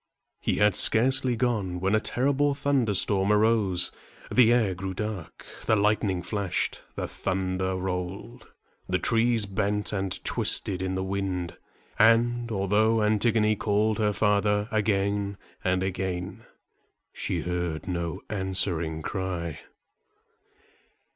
He had scarcely gone, when a terrible thunderstorm arose. The air grew dark, the lightning flashed, the thunder rolled, the trees bent and twisted in the wind; and, although Antigone called her father again and again, she heard no answering cry.